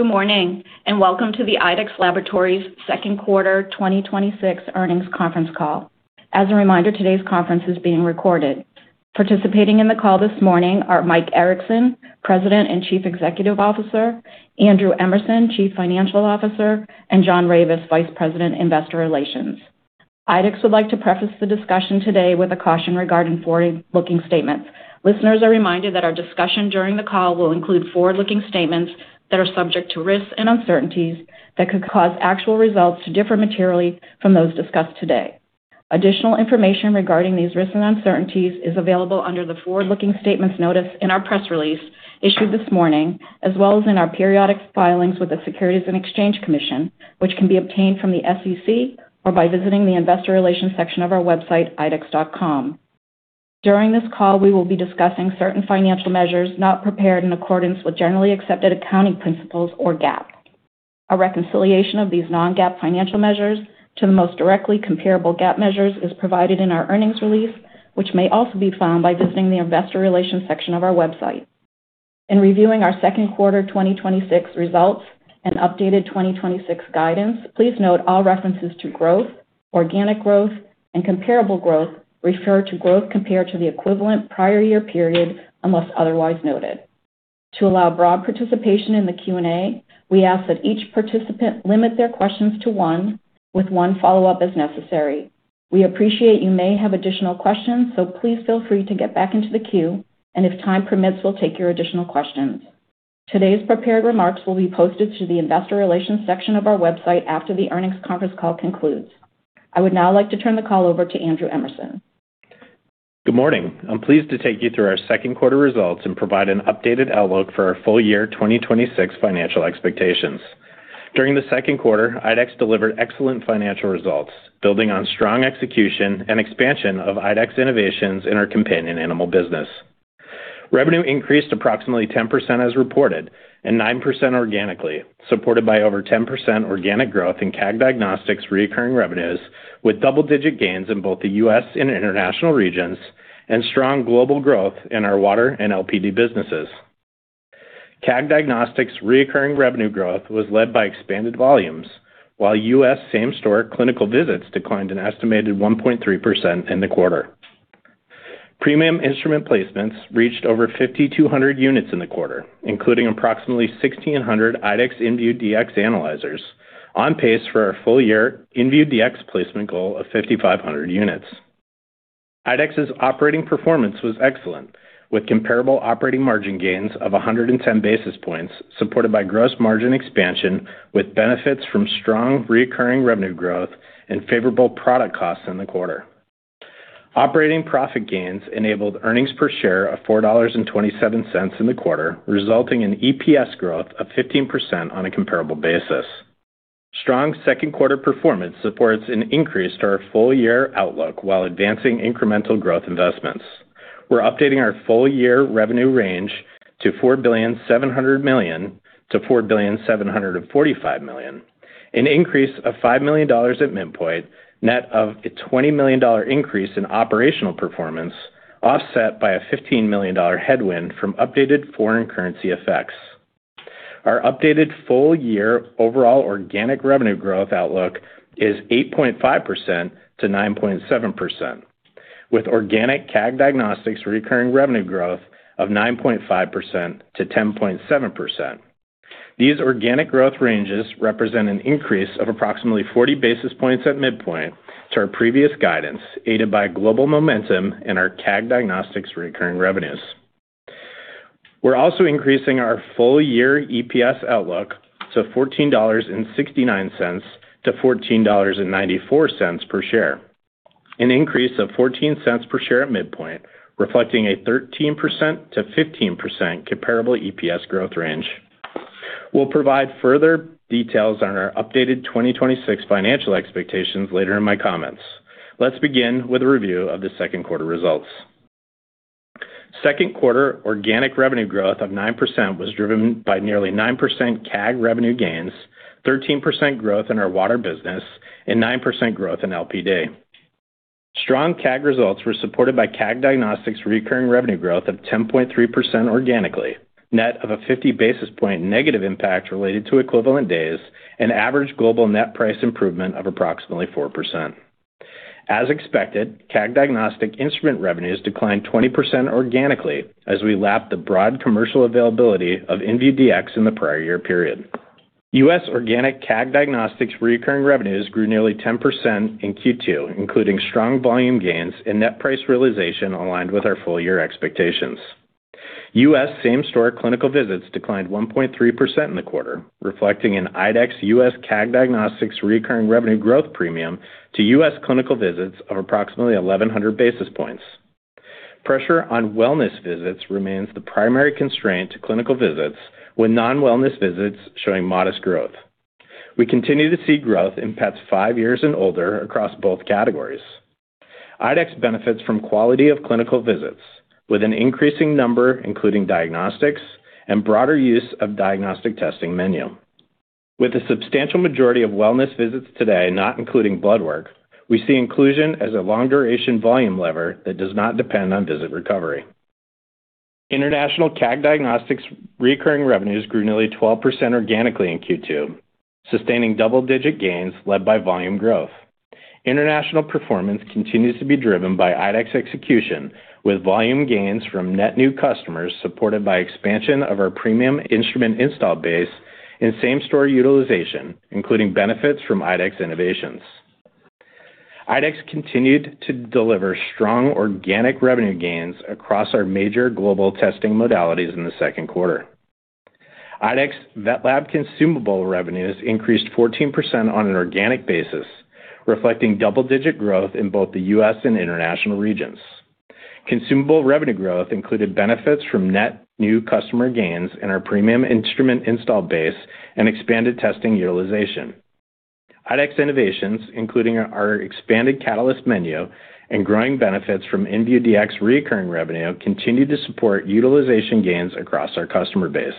Good morning. Welcome to the IDEXX Laboratories Second Quarter 2026 Earnings Conference Call. As a reminder, today's conference is being recorded. Participating in the call this morning are Mike Erickson, President and Chief Executive Officer, Andrew Emerson, Chief Financial Officer, and John Ravis, Vice President, Investor Relations. IDEXX would like to preface the discussion today with a caution regarding forward-looking statements. Listeners are reminded that our discussion during the call will include forward-looking statements that are subject to risks and uncertainties that could cause actual results to differ materially from those discussed today. Additional information regarding these risks and uncertainties is available under the forward-looking statements notice in our press release issued this morning, as well as in our periodic filings with the Securities and Exchange Commission, which can be obtained from the SEC or by visiting the investor relations section of our website, IDEXX.com. During this call, we will be discussing certain financial measures not prepared in accordance with generally accepted accounting principles, or GAAP. A reconciliation of these non-GAAP financial measures to the most directly comparable GAAP measures is provided in our earnings release, which may also be found by visiting the investor relations section of our website. In reviewing our second quarter 2026 results and updated 2026 guidance, please note all references to growth, organic growth, and comparable growth refer to growth compared to the equivalent prior year period, unless otherwise noted. To allow broad participation in the Q&A, we ask that each participant limit their questions to one with one follow-up as necessary. We appreciate you may have additional questions, so please feel free to get back into the queue, and if time permits, we'll take your additional questions. Today's prepared remarks will be posted to the investor relations section of our website after the earnings conference call concludes. I would now like to turn the call over to Andrew Emerson. Good morning. I'm pleased to take you through our second quarter results and provide an updated outlook for our full-year 2026 financial expectations. During the second quarter, IDEXX delivered excellent financial results, building on strong execution and expansion of IDEXX innovations in our companion animal business. Revenue increased approximately 10% as reported, and 9% organically, supported by over 10% organic growth in CAG Diagnostics reoccurring revenues, with double-digit gains in both the U.S. and international regions, and strong global growth in our water and LPD businesses. CAG Diagnostics reoccurring revenue growth was led by expanded volumes, while U.S. same-store clinical visits declined an estimated 1.3% in the quarter. Premium instrument placements reached over 5,200 units in the quarter, including approximately 1,600 IDEXX inVue Dx analyzers, on pace for our full-year inVue Dx placement goal of 5,500 units. IDEXX's operating performance was excellent, with comparable operating margin gains of 110 basis points, supported by gross margin expansion, with benefits from strong recurring revenue growth and favorable product costs in the quarter. Operating profit gains enabled earnings per share of $4.27 in the quarter, resulting in EPS growth of 15% on a comparable basis. Strong second quarter performance supports an increase to our full-year outlook while advancing incremental growth investments. We're updating our full-year revenue range to $4.7 billion-$4.745 billion, an increase of $5 million at midpoint, net of a $20 million increase in operational performance, offset by a $15 million headwind from updated foreign currency effects. Our updated full-year overall organic revenue growth outlook is 8.5%-9.7%, with organic CAG Diagnostics recurring revenue growth of 9.5%-10.7%. These organic growth ranges represent an increase of approximately 40 basis points at midpoint to our previous guidance, aided by global momentum in our CAG Diagnostics recurring revenues. We're also increasing our full-year EPS outlook to $14.69-$14.94 per share, an increase of $0.14 per share at midpoint, reflecting a 13%-15% comparable EPS growth range. We'll provide further details on our updated 2026 financial expectations later in my comments. Let's begin with a review of the second quarter results. Second quarter organic revenue growth of 9% was driven by nearly 9% CAG revenue gains, 13% growth in our water business, and 9% growth in LPD. Strong CAG results were supported by CAG Diagnostics recurring revenue growth of 10.3% organically, net of a 50 basis point negative impact related to equivalent days and average global net price improvement of approximately 4%. As expected, CAG Diagnostic instrument revenues declined 20% organically as we lapped the broad commercial availability of inVue Dx in the prior year period. U.S. organic CAG Diagnostics recurring revenues grew nearly 10% in Q2, including strong volume gains and net price realization aligned with our full-year expectations. U.S. same-store clinical visits declined 1.3% in the quarter, reflecting an IDEXX U.S. CAG Diagnostics recurring revenue growth premium to U.S. clinical visits of approximately 1,100 basis points. Pressure on wellness visits remains the primary constraint to clinical visits, with non-wellness visits showing modest growth. We continue to see growth in pets five years and older across both categories. IDEXX benefits from quality of clinical visits, with an increasing number including diagnostics and broader use of diagnostic testing menu. With the substantial majority of wellness visits today not including blood work, we see inclusion as a long-duration volume lever that does not depend on visit recovery. International CAG Diagnostics recurring revenues grew nearly 12% organically in Q2, sustaining double-digit gains led by volume growth. International performance continues to be driven by IDEXX execution, with volume gains from net new customers supported by expansion of our premium instrument install base and same-store utilization, including benefits from IDEXX innovations. IDEXX continued to deliver strong organic revenue gains across our major global testing modalities in the second quarter. IDEXX VetLab consumable revenues increased 14% on an organic basis, reflecting double-digit growth in both the U.S. and international regions. Consumable revenue growth included benefits from net new customer gains in our premium instrument install base and expanded testing utilization. IDEXX Innovations, including our expanded Catalyst menu and growing benefits from inVue Dx recurring revenue, continued to support utilization gains across our customer base.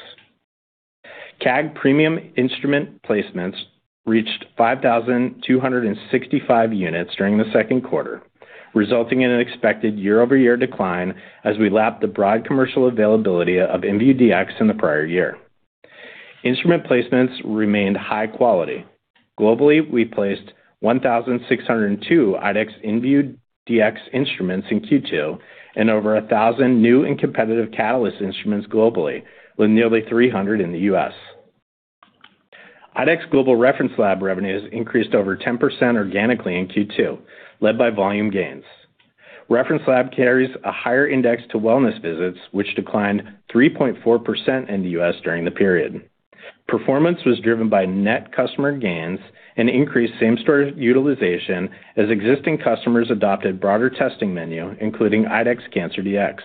CAG premium instrument placements reached 5,265 units during the second quarter, resulting in an expected year-over-year decline as we lap the broad commercial availability of inVue Dx in the prior year. Instrument placements remained high quality. Globally, we placed 1,602 IDEXX inVue Dx instruments in Q2 and over 1,000 new and competitive Catalyst instruments globally, with nearly 300 in the U.S. IDEXX Global Reference Lab revenues increased over 10% organically in Q2, led by volume gains. Reference Lab carries a higher index to wellness visits, which declined 3.4% in the U.S. during the period. Performance was driven by net customer gains and increased same-store utilization as existing customers adopted broader testing menu, including IDEXX Cancer Dx.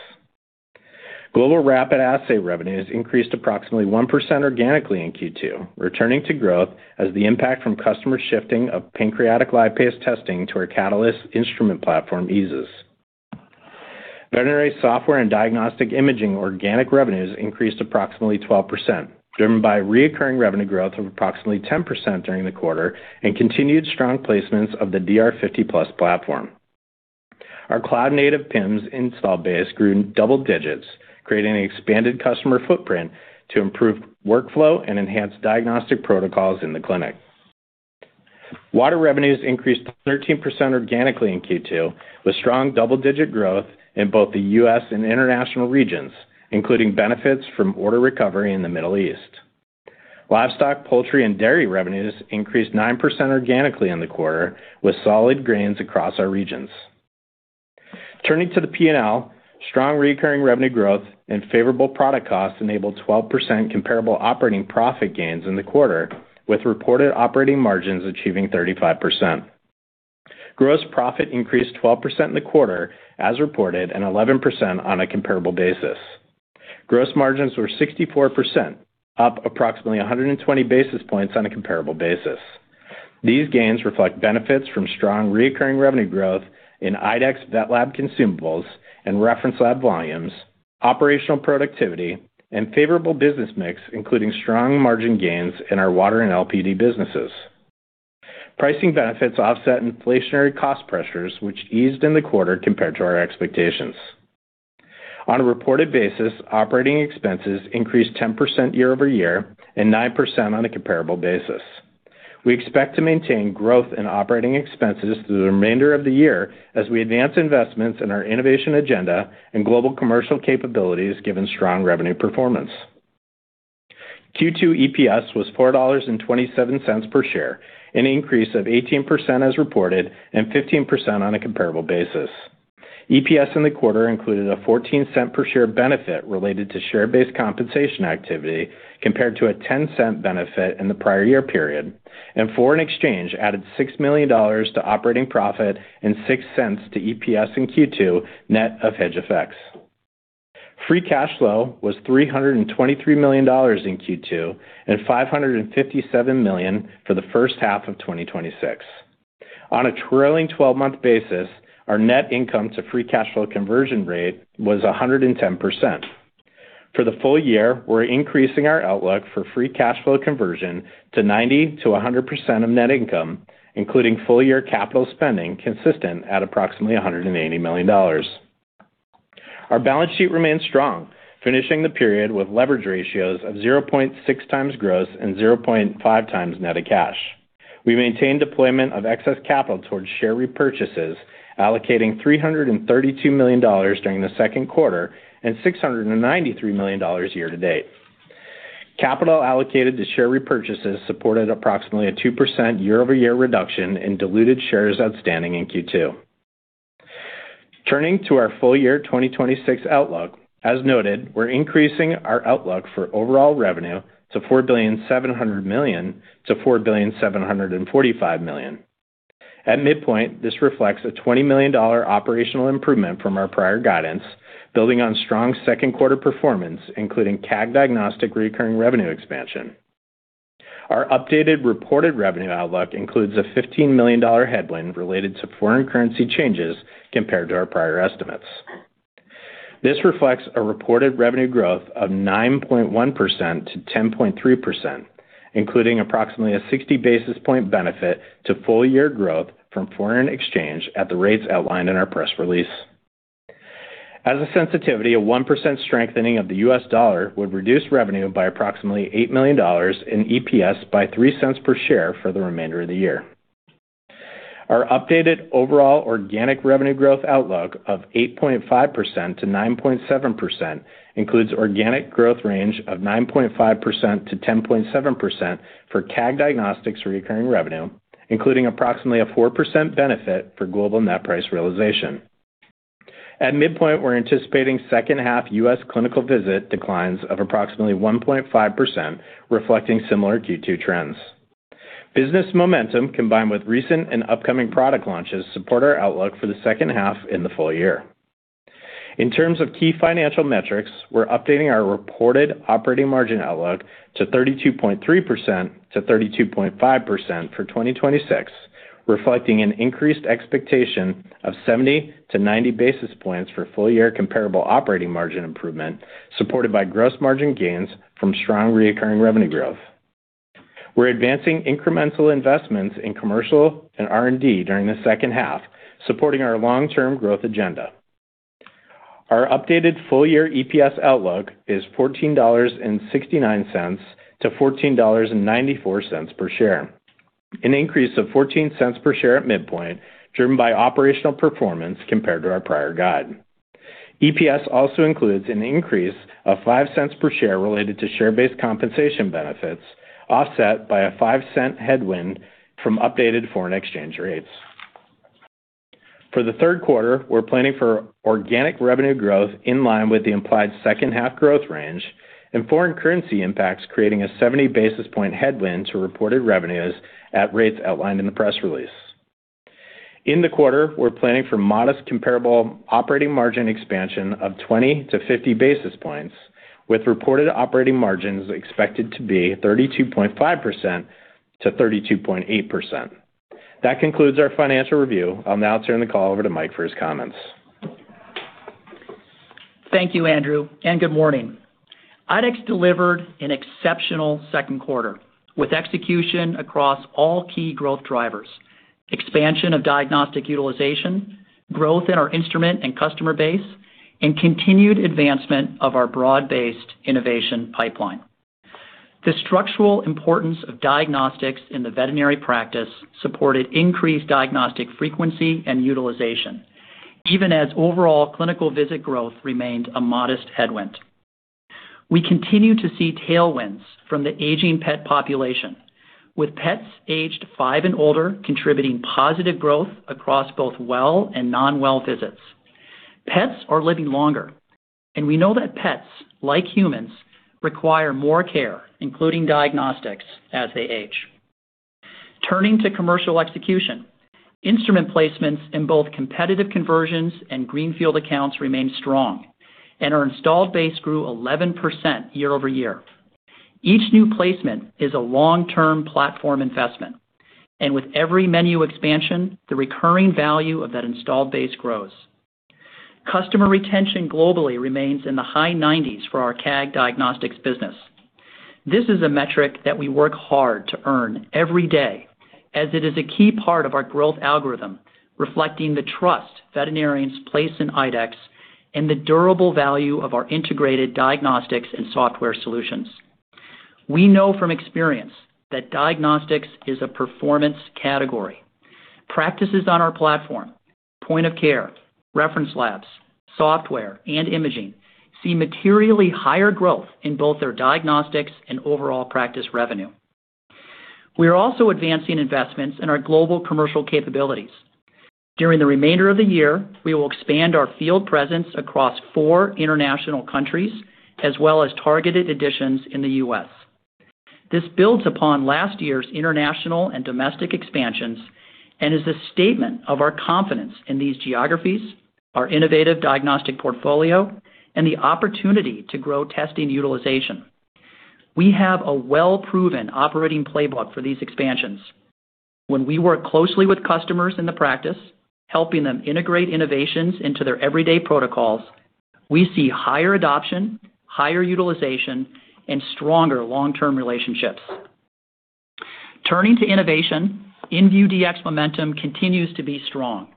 Global Rapid Assay revenues increased approximately 1% organically in Q2, returning to growth as the impact from customer shifting of pancreatic lipase testing to our Catalyst instrument platform eases. Veterinary software and diagnostic imaging organic revenues increased approximately 12%, driven by recurring revenue growth of approximately 10% during the quarter and continued strong placements of the DR50 Plus platform. Our cloud-native PIMS install base grew double digits, creating an expanded customer footprint to improve workflow and enhance diagnostic protocols in the clinic. Water revenues increased 13% organically in Q2, with strong double-digit growth in both the U.S. and international regions, including benefits from order recovery in the Middle East. Livestock, poultry, and dairy revenues increased 9% organically in the quarter, with solid gains across our regions. Turning to the P&L, strong recurring revenue growth and favorable product costs enabled 12% comparable operating profit gains in the quarter, with reported operating margins achieving 35%. Gross profit increased 12% in the quarter as reported and 11% on a comparable basis. Gross margins were 64%, up approximately 120 basis points on a comparable basis. These gains reflect benefits from strong recurring revenue growth in IDEXX VetLab consumables and reference lab volumes, operational productivity, and favorable business mix, including strong margin gains in our water and LPD businesses. Pricing benefits offset inflationary cost pressures, which eased in the quarter compared to our expectations. On a reported basis, operating expenses increased 10% year-over-year and 9% on a comparable basis. We expect to maintain growth in operating expenses through the remainder of the year as we advance investments in our innovation agenda and global commercial capabilities given strong revenue performance. Q2 EPS was $4.27 per share, an increase of 18% as reported and 15% on a comparable basis. EPS in the quarter included a $0.14 per share benefit related to share-based compensation activity, compared to a $0.10 benefit in the prior year period, and foreign exchange added $6 million to operating profit and $0.06 to EPS in Q2, net of hedge effects. Free cash flow was $323 million in Q2 and $557 million for the first half of 2026. On a trailing 12-month basis, our net income to free cash flow conversion rate was 110%. For the full year, we're increasing our outlook for free cash flow conversion to 90%-100% of net income, including full-year capital spending consistent at approximately $180 million. Our balance sheet remains strong, finishing the period with leverage ratios of 0.6x gross and 0.5x net of cash. We maintain deployment of excess capital towards share repurchases, allocating $332 million during the second quarter and $693 million year-to-date. Capital allocated to share repurchases supported approximately a 2% year-over-year reduction in diluted shares outstanding in Q2. Turning to our full-year 2026 outlook, as noted, we're increasing our outlook for overall revenue to $4.7 billion-$4.745 billion. At midpoint, this reflects a $20 million operational improvement from our prior guidance, building on strong second quarter performance, including CAG Diagnostics recurring revenue expansion. Our updated reported revenue outlook includes a $15 million headwind related to foreign currency changes compared to our prior estimates. This reflects a reported revenue growth of 9.1%-10.3%, including approximately a 60 basis point benefit to full year growth from foreign exchange at the rates outlined in our press release. As a sensitivity, a 1% strengthening of the U.S. dollar would reduce revenue by approximately $8 million and EPS by $0.03 per share for the remainder of the year. Our updated overall organic revenue growth outlook of 8.5%-9.7% includes organic growth range of 9.5%-10.7% for CAG Diagnostics recurring revenue, including approximately a 4% benefit for global net price realization. At midpoint, we're anticipating second half U.S. clinical visit declines of approximately 1.5%, reflecting similar Q2 trends. Business momentum, combined with recent and upcoming product launches, support our outlook for the second half and the full year. In terms of key financial metrics, we're updating our reported operating margin outlook to 32.3%-32.5% for 2026, reflecting an increased expectation of 70-90 basis points for full year comparable operating margin improvement, supported by gross margin gains from strong recurring revenue growth. We're advancing incremental investments in commercial and R&D during the second half, supporting our long-term growth agenda. Our updated full year EPS outlook is $14.69-$14.94 per share, an increase of $0.14 per share at midpoint, driven by operational performance compared to our prior guide. EPS also includes an increase of $0.05 per share related to share-based compensation benefits, offset by a $0.05 headwind from updated foreign exchange rates. For the third quarter, we're planning for organic revenue growth in line with the implied second half growth range and foreign currency impacts, creating a 70 basis point headwind to reported revenues at rates outlined in the press release. In the quarter, we're planning for modest comparable operating margin expansion of 20-50 basis points, with reported operating margins expected to be 32.5%-32.8%. That concludes our financial review. I'll now turn the call over to Mike for his comments. Thank you, Andrew, and good morning. IDEXX delivered an exceptional second quarter, with execution across all key growth drivers: expansion of diagnostic utilization, growth in our instrument and customer base, and continued advancement of our broad-based innovation pipeline. The structural importance of diagnostics in the veterinary practice supported increased diagnostic frequency and utilization, even as overall clinical visit growth remained a modest headwind. We continue to see tailwinds from the aging pet population, with pets aged five and older contributing positive growth across both well and non-well visits. Pets are living longer, and we know that pets, like humans, require more care, including diagnostics, as they age. Turning to commercial execution, instrument placements in both competitive conversions and greenfield accounts remain strong and our installed base grew 11% year-over-year. Each new placement is a long-term platform investment, with every menu expansion, the recurring value of that installed base grows. Customer retention globally remains in the high 90s for our CAG Diagnostics business. This is a metric that we work hard to earn every day, as it is a key part of our growth algorithm, reflecting the trust veterinarians place in IDEXX and the durable value of our integrated diagnostics and software solutions. We know from experience that diagnostics is a performance category. Practices on our platform, point of care, reference labs, software, and imaging see materially higher growth in both their diagnostics and overall practice revenue. We are also advancing investments in our global commercial capabilities. During the remainder of the year, we will expand our field presence across four international countries, as well as targeted additions in the U.S. This builds upon last year's international and domestic expansions and is a statement of our confidence in these geographies, our innovative diagnostic portfolio, and the opportunity to grow testing utilization. We have a well-proven operating playbook for these expansions. When we work closely with customers in the practice, helping them integrate innovations into their everyday protocols, we see higher adoption, higher utilization, and stronger long-term relationships. Turning to innovation, inVue Dx momentum continues to be strong.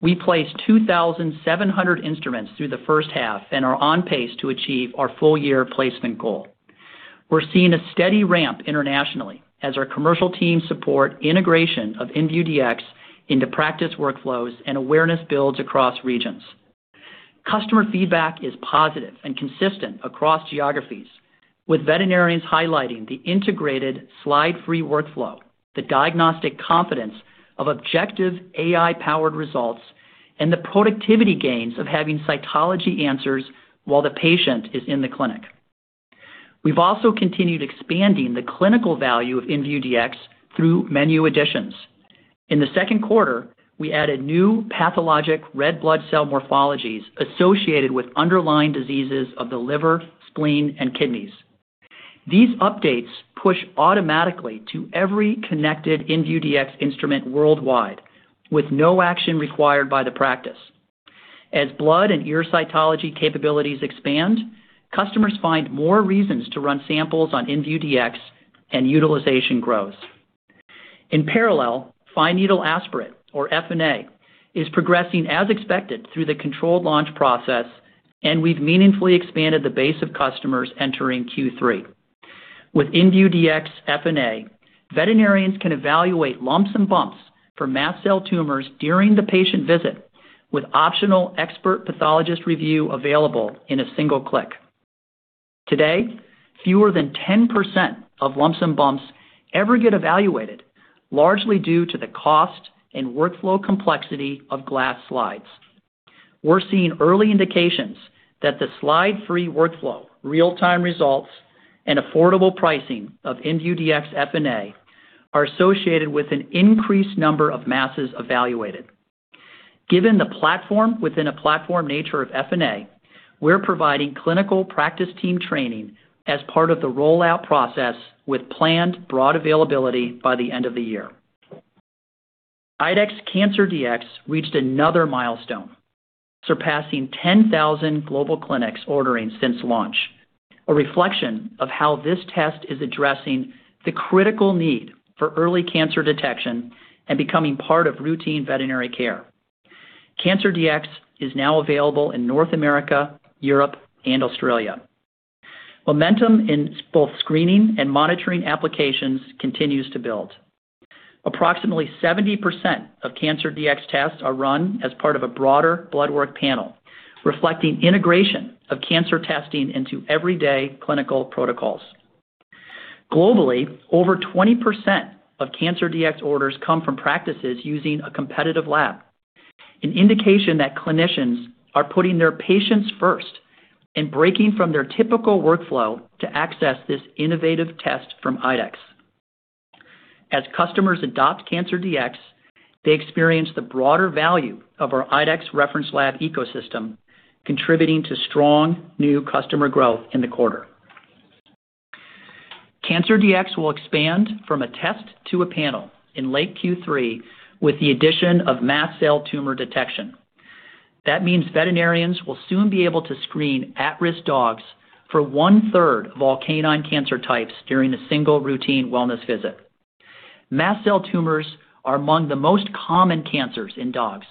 We placed 2,700 instruments through the first half and are on pace to achieve our full year placement goal. We're seeing a steady ramp internationally as our commercial teams support integration of inVue Dx into practice workflows and awareness builds across regions. Customer feedback is positive and consistent across geographies, with veterinarians highlighting the integrated slide-free workflow, the diagnostic confidence of objective AI-powered results, and the productivity gains of having cytology answers while the patient is in the clinic. We've also continued expanding the clinical value of inVue Dx through menu additions. In the second quarter, we added new pathologic red blood cell morphologies associated with underlying diseases of the liver, spleen, and kidneys. These updates push automatically to every connected inVue Dx instrument worldwide, with no action required by the practice. As blood and ear cytology capabilities expand, customers find more reasons to run samples on inVue Dx and utilization grows. In parallel, fine needle aspirate, or FNA, is progressing as expected through the controlled launch process, we've meaningfully expanded the base of customers entering Q3. With inVue Dx FNA, veterinarians can evaluate lumps and bumps for mast cell tumors during the patient visit with optional expert pathologist review available in a single click. Today, fewer than 10% of lumps and bumps ever get evaluated, largely due to the cost and workflow complexity of glass slides. We're seeing early indications that the slide-free workflow, real-time results, and affordable pricing of inVue Dx FNA are associated with an increased number of masses evaluated. Given the platform within a platform nature of FNA, we're providing clinical practice team training as part of the rollout process with planned broad availability by the end of the year. IDEXX Cancer Dx reached another milestone, surpassing 10,000 global clinics ordering since launch, a reflection of how this test is addressing the critical need for early cancer detection and becoming part of routine veterinary care. Cancer Dx is now available in North America, Europe, and Australia. Momentum in both screening and monitoring applications continues to build. Approximately 70% of Cancer Dx tests are run as part of a broader blood work panel, reflecting integration of cancer testing into everyday clinical protocols. Globally, over 20% of Cancer Dx orders come from practices using a competitive lab, an indication that clinicians are putting their patients first and breaking from their typical workflow to access this innovative test from IDEXX. As customers adopt Cancer Dx, they experience the broader value of our IDEXX reference lab ecosystem, contributing to strong new customer growth in the quarter. Cancer Dx will expand from a test to a panel in late Q3 with the addition of mast cell tumor detection. That means veterinarians will soon be able to screen at-risk dogs for one-third of all canine cancer types during a single routine wellness visit. Mast cell tumors are among the most common cancers in dogs,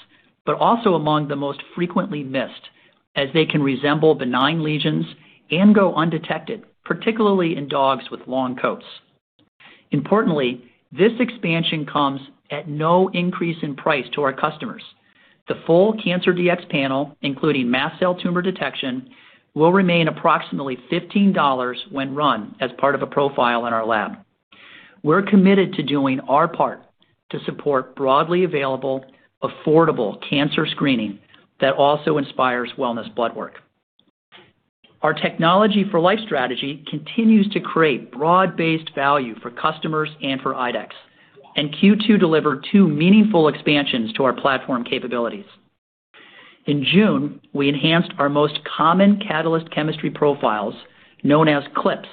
but also among the most frequently missed, as they can resemble benign lesions and go undetected, particularly in dogs with long coats. Importantly, this expansion comes at no increase in price to our customers. The full Cancer Dx panel, including mast cell tumor detection, will remain approximately $15 when run as part of a profile in our lab. We're committed to doing our part to support broadly available, affordable cancer screening that also inspires wellness blood work. Our Technology for Life strategy continues to create broad-based value for customers and for IDEXX, and Q2 delivered two meaningful expansions to our platform capabilities. In June, we enhanced our most common Catalyst chemistry profiles, known as CLIPs,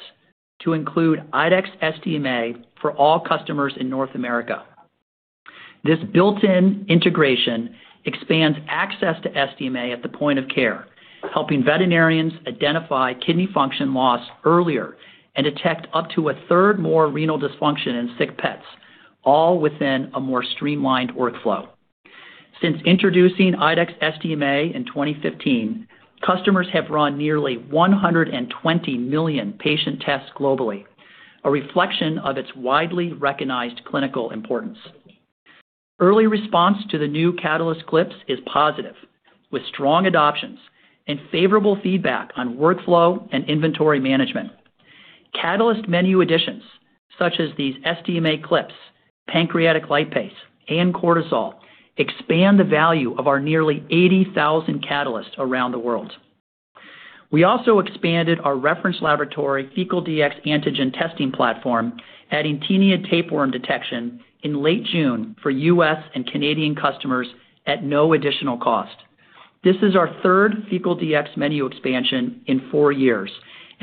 to include IDEXX SDMA for all customers in North America. This built-in integration expands access to SDMA at the point of care, helping veterinarians identify kidney function loss earlier and detect up to a third more renal dysfunction in sick pets, all within a more streamlined workflow. Since introducing IDEXX SDMA in 2015, customers have run nearly 120 million patient tests globally, a reflection of its widely recognized clinical importance. Early response to the new Catalyst CLIPs is positive, with strong adoptions and favorable feedback on workflow and inventory management. Catalyst menu additions, such as these SDMA CLIPs, pancreatic lipase, and cortisol expand the value of our nearly 80,000 Catalysts around the world. We also expanded our reference laboratory Fecal Dx antigen testing platform, adding Taeniid tapeworm detection in late June for U.S. and Canadian customers at no additional cost. This is our third Fecal Dx menu expansion in four years,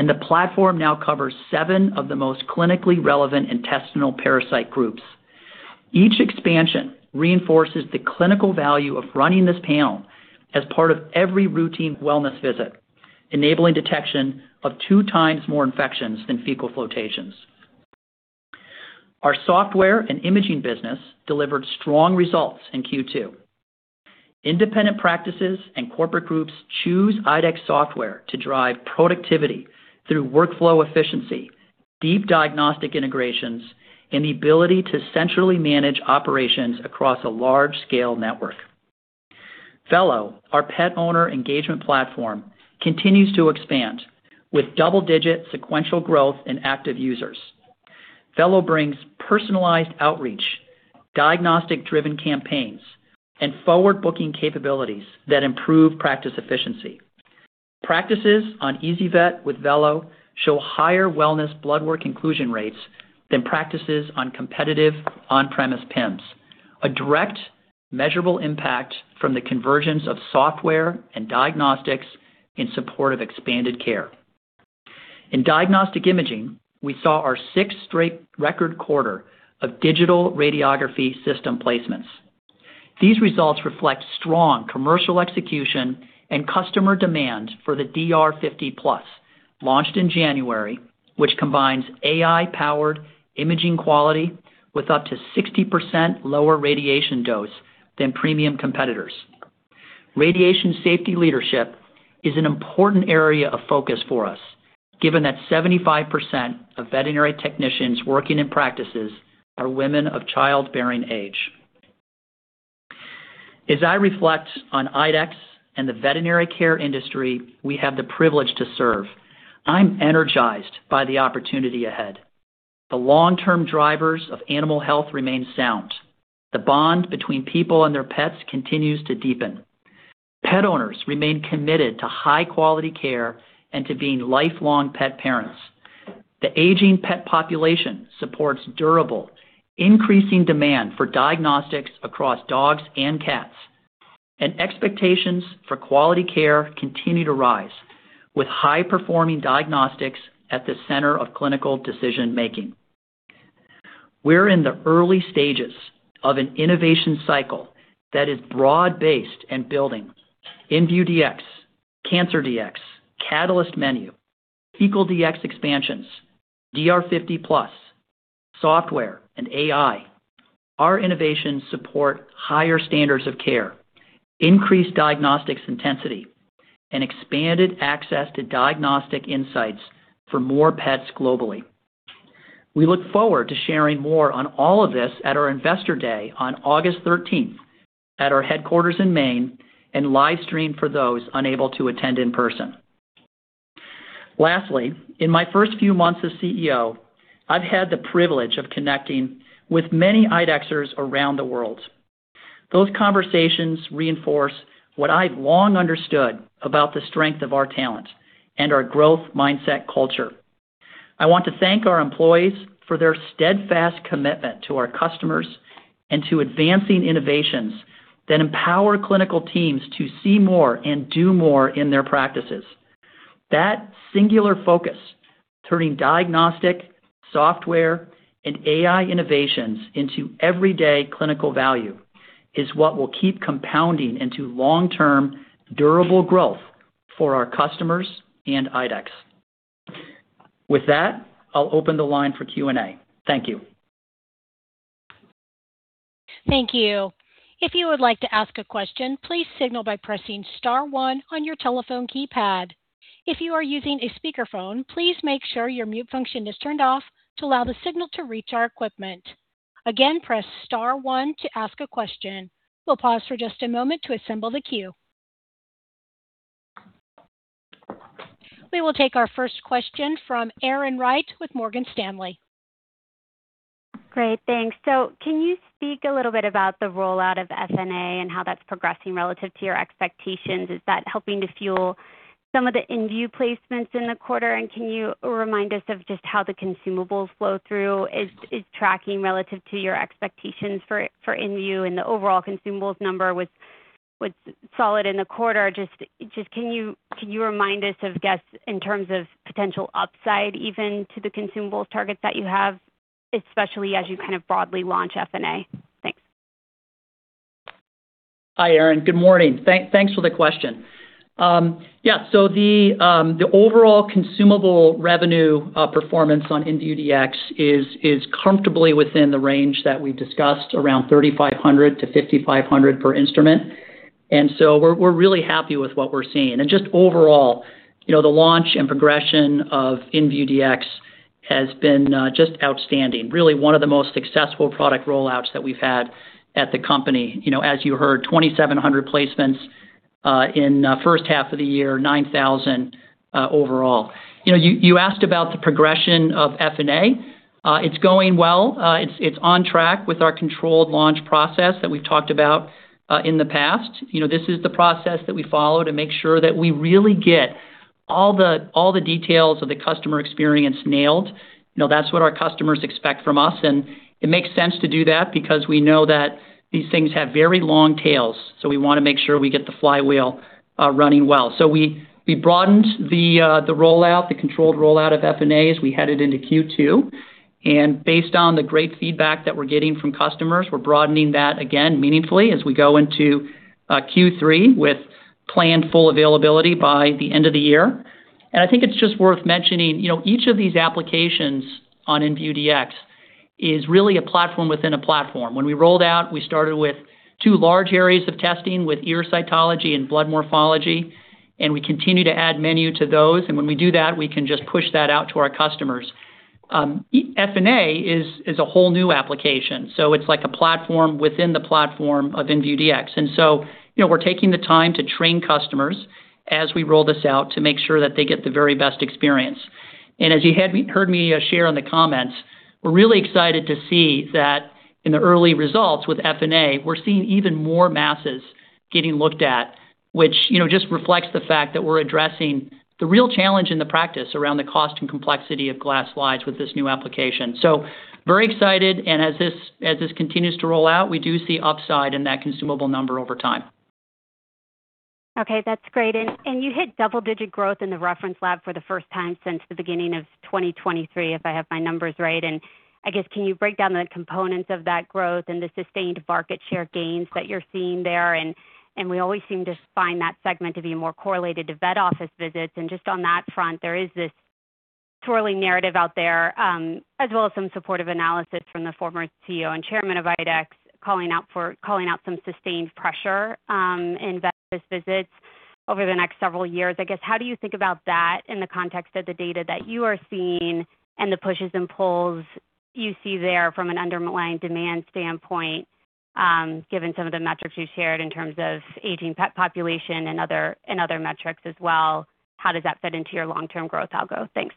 the platform now covers seven of the most clinically relevant intestinal parasite groups. Each expansion reinforces the clinical value of running this panel as part of every routine wellness visit, enabling detection of two times more infections than fecal flotations. Our software and imaging business delivered strong results in Q2. Independent practices and corporate groups choose IDEXX software to drive productivity through workflow efficiency, deep diagnostic integrations, and the ability to centrally manage operations across a large-scale network. Vello, our pet owner engagement platform, continues to expand, with double-digit sequential growth in active users. Vello brings personalized outreach, diagnostic-driven campaigns, and forward-booking capabilities that improve practice efficiency. Practices on ezyVet with Vello show higher wellness blood work inclusion rates than practices on competitive on-premise PIMS. A direct measurable impact from the conversions of software and diagnostics in support of expanded care. In diagnostic imaging, we saw our sixth straight record quarter of digital radiography system placements. These results reflect strong commercial execution and customer demand for the DR50 Plus, launched in January, which combines AI-powered imaging quality with up to 60% lower radiation dose than premium competitors. Radiation safety leadership is an important area of focus for us, given that 75% of veterinary technicians working in practices are women of childbearing age. As I reflect on IDEXX and the veterinary care industry we have the privilege to serve, I'm energized by the opportunity ahead. The long-term drivers of animal health remain sound. The bond between people and their pets continues to deepen. Pet owners remain committed to high-quality care and to being lifelong pet parents. The aging pet population supports durable, increasing demand for diagnostics across dogs and cats, expectations for quality care continue to rise, with high-performing diagnostics at the center of clinical decision-making. We're in the early stages of an innovation cycle that is broad-based and building. inVue Dx, Cancer Dx, Catalyst Menu, Fecal Dx expansions, DR50 Plus, software, and AI. Our innovations support higher standards of care, increased diagnostics intensity, and expanded access to diagnostic insights for more pets globally. We look forward to sharing more on all of this at our Investor Day on August 13th at our headquarters in Maine and live-stream for those unable to attend in person. Lastly, in my first few months as CEO, I've had the privilege of connecting with many IDEXXers around the world. Those conversations reinforce what I've long understood about the strength of our talent and our growth mindset culture. I want to thank our employees for their steadfast commitment to our customers and to advancing innovations that empower clinical teams to see more and do more in their practices. That singular focus, turning diagnostic, software, and AI innovations into everyday clinical value, is what will keep compounding into long-term, durable growth for our customers and IDEXX. With that, I'll open the line for Q&A. Thank you. Thank you. If you would like to ask a question, please signal by pressing star one on your telephone keypad. If you are using a speakerphone, please make sure your mute function is turned off to allow the signal to reach our equipment. Again, press star one to ask a question. We'll pause for just a moment to assemble the queue. We will take our first question from Erin Wright with Morgan Stanley. Great. Thanks. Can you speak a little bit about the rollout of FNA and how that's progressing relative to your expectations? Is that helping to fuel some of the inVue Dx placements in the quarter? Can you remind us of just how the consumables flow through? Is tracking relative to your expectations for inVue Dx and the overall consumables number was solid in the quarter. Just can you remind us, I guess, in terms of potential upside even to the consumable targets that you have, especially as you kind of broadly launch FNA? Thanks. Hi, Erin. Good morning. Thanks for the question. The overall consumable revenue performance on inVue Dx is comfortably within the range that we discussed, around $3,500-$5,500 per instrument. We're really happy with what we're seeing. Just overall, the launch and progression of inVue Dx has been just outstanding. Really one of the most successful product rollouts that we've had at the company. As you heard, 2,700 placements in first half of the year, 9,000 overall. You asked about the progression of FNA. It's going well. It's on track with our controlled launch process that we've talked about in the past. This is the process that we follow to make sure that we really get all the details of the customer experience nailed. That's what our customers expect from us, it makes sense to do that because we know that these things have very long tails, we want to make sure we get the flywheel running well. We broadened the rollout, the controlled rollout of FNA as we headed into Q2. Based on the great feedback that we're getting from customers, we're broadening that again meaningfully as we go into Q3 with planned full availability by the end of the year. I think it's just worth mentioning, each of these applications on inVue Dx is really a platform within a platform. When we rolled out, we started with two large areas of testing with ear cytology and blood morphology, we continue to add menu to those. When we do that, we can just push that out to our customers. FNA is a whole new application, it's like a platform within the platform of inVue Dx. We're taking the time to train customers as we roll this out to make sure that they get the very best experience. As you heard me share in the comments, we're really excited to see that in the early results with FNA, we're seeing even more masses getting looked at, which just reflects the fact that we're addressing the real challenge in the practice around the cost and complexity of glass slides with this new application. Very excited, and as this continues to roll out, we do see upside in that consumable number over time. Okay. That's great. You hit double-digit growth in the reference lab for the first time since the beginning of 2023, if I have my numbers right. I guess, can you break down the components of that growth and the sustained market share gains that you're seeing there? We always seem to find that segment to be more correlated to vet office visits. Just on that front, there is this swirling narrative out there, as well as some supportive analysis from the former CEO and Chairman of IDEXX, calling out some sustained pressure in vet office visits over the next several years. I guess, how do you think about that in the context of the data that you are seeing and the pushes and pulls you see there from an underlying demand standpoint, given some of the metrics you shared in terms of aging pet population and other metrics as well? How does that fit into your long-term growth algo? Thanks.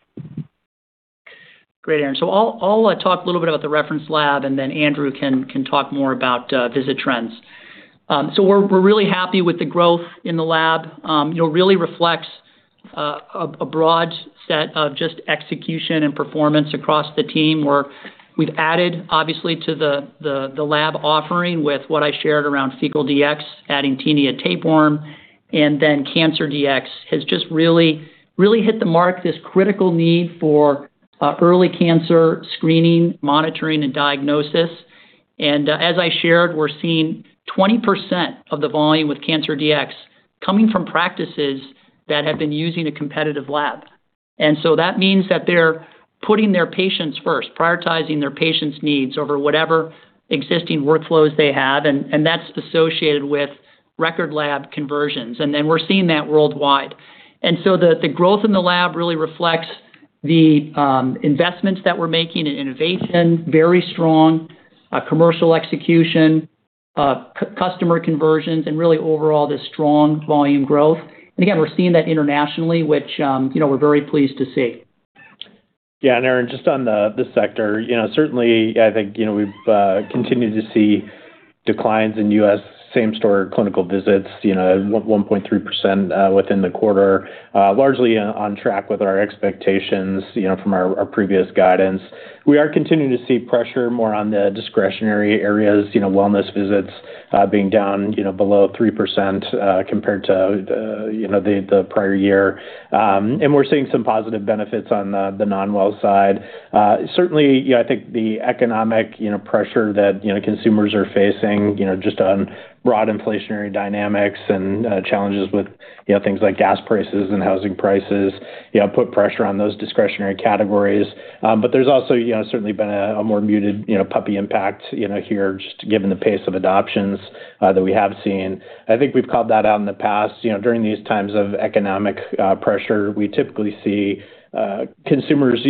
Great, Erin. I'll talk a little bit about the reference lab, then Andrew can talk more about visit trends. We're really happy with the growth in the lab. It really reflects a broad set of just execution and performance across the team, where we've added, obviously, to the lab offering with what I shared around Fecal Dx, adding Taeniid tapeworm, then Cancer Dx has just really hit the mark, this critical need for early cancer screening, monitoring, and diagnosis. As I shared, we're seeing 20% of the volume with Cancer Dx coming from practices that have been using a competitive lab. That means that they're putting their patients first, prioritizing their patients' needs over whatever existing workflows they have, and that's associated with record lab conversions. We're seeing that worldwide. The growth in the lab really reflects the investments that we're making in innovation, very strong commercial execution, customer conversions, and really overall, just strong volume growth. We're seeing that internationally, which we're very pleased to see. Erin, just on the sector. Certainly, I think we've continued to see declines in U.S. same-store clinical visits, 1.3% within the quarter. Largely on track with our expectations from our previous guidance. We are continuing to see pressure more on the discretionary areas, wellness visits being down below 3% compared to the prior year. We're seeing some positive benefits on the non-well side. Certainly, I think the economic pressure that consumers are facing, just on broad inflationary dynamics and challenges with things like gas prices and housing prices, put pressure on those discretionary categories. There's also certainly been a more muted puppy impact here, just given the pace of adoptions that we have seen. I think we've called that out in the past. During these times of economic pressure, we typically see consumers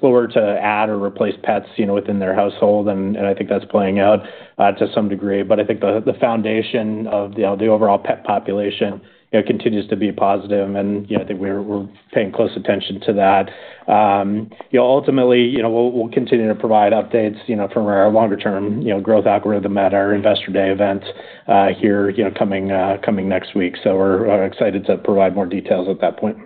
slower to add or replace pets within their household, and I think that's playing out to some degree. I think the foundation of the overall pet population continues to be positive, and I think we're paying close attention to that. Ultimately, we'll continue to provide updates from our longer-term growth algorithm at our Investor Day event here coming next week. We're excited to provide more details at that point.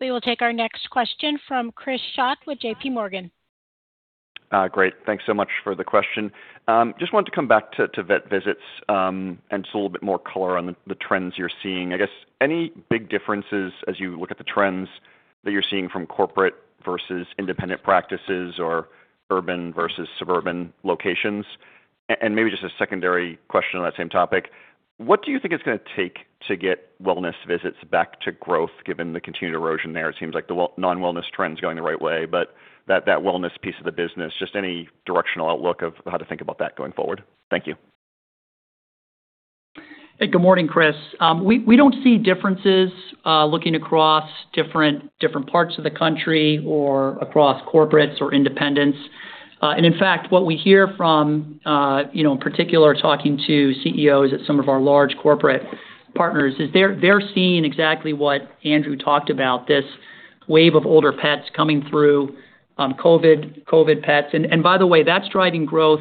We will take our next question from Chris Schott with JPMorgan. Great. Thanks so much for the question. Just wanted to come back to vet visits, and just a little bit more color on the trends you're seeing. I guess, any big differences as you look at the trends that you're seeing from corporate versus independent practices or urban versus suburban locations? Maybe just a secondary question on that same topic, what do you think it's going to take to get wellness visits back to growth, given the continued erosion there? It seems like the non-wellness trend's going the right way, but that wellness piece of the business, just any directional outlook of how to think about that going forward. Thank you. Hey, good morning, Chris. We don't see differences looking across different parts of the country or across corporates or independents. In fact, what we hear from, in particular, talking to CEOs at some of our large corporate partners, is they're seeing exactly what Andrew talked about, this wave of older pets coming through COVID pets. By the way, that's driving growth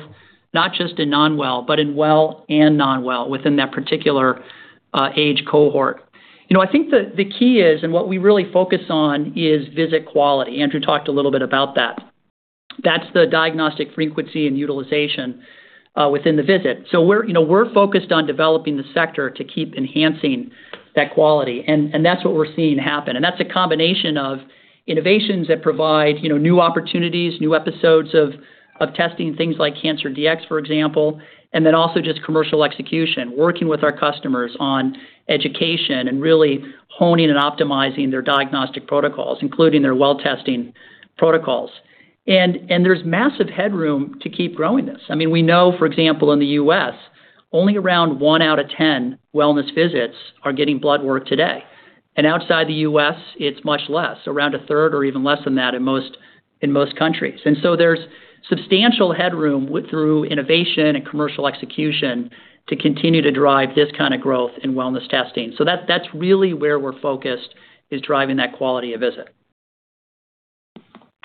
not just in non-well, but in well and non-well within that particular age cohort. I think the key is, and what we really focus on, is visit quality. Andrew talked a little bit about that. That's the diagnostic frequency and utilization within the visit. We're focused on developing the sector to keep enhancing that quality, and that's what we're seeing happen. That's a combination of innovations that provide new opportunities, new episodes of testing, things like Cancer Dx, for example, and then also just commercial execution, working with our customers on education and really honing and optimizing their diagnostic protocols, including their well-testing protocols. There's massive headroom to keep growing this. I mean, we know, for example, in the U.S., only around one out of 10 wellness visits are getting blood work today. Outside the U.S., it's much less, around a third or even less than that in most countries. There's substantial headroom through innovation and commercial execution to continue to drive this kind of growth in wellness testing. That's really where we're focused, is driving that quality of visit.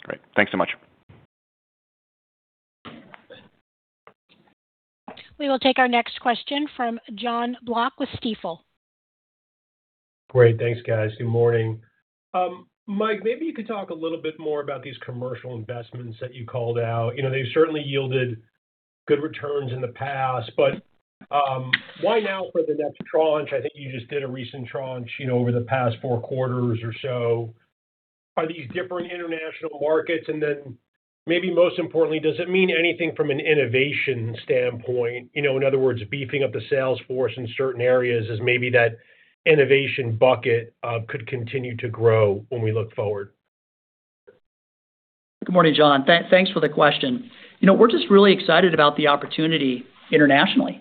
Great. Thanks so much. We will take our next question from Jon Block with Stifel. Great. Thanks, guys. Good morning. Mike, maybe you could talk a little bit more about these commercial investments that you called out. They've certainly yielded good returns in the past, but why now for the next tranche? I think you just did a recent tranche over the past four quarters or so. Are these different international markets? Maybe most importantly, does it mean anything from an innovation standpoint? In other words, beefing up the sales force in certain areas as maybe that innovation bucket could continue to grow when we look forward. Good morning, Jon. Thanks for the question. We're just really excited about the opportunity internationally.